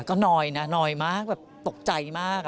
ก็หน่อยนะหน่อยมากตกใจมาก